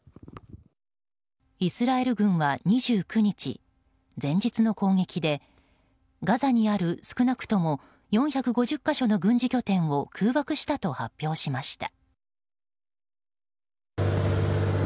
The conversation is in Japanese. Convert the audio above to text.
イスラエル軍は２９日前日の攻撃でガザにある、少なくとも４５０か所の軍事拠点を空爆したと発表しました。